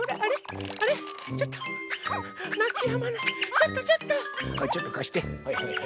ちょっとちょっと。